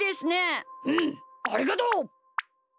うんありがとう！